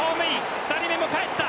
２人目も帰った。